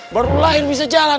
baru lahir bisa jalan